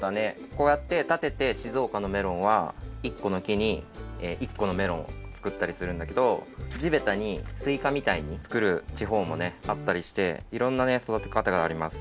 こうやってたてて静岡のメロンは１このきに１このメロンをつくったりするんだけどじべたにスイカみたいにつくるちほうもあったりしていろんなそだてかたがあります。